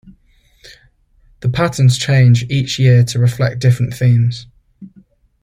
The patterns change each year to reflect different themes.